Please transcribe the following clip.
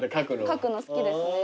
書くの好きですね。